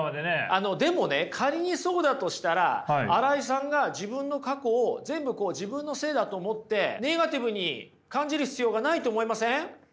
でもね仮にそうだとしたら新井さんが自分の過去を全部自分のせいだと思ってネガティブに感じる必要がないと思いません？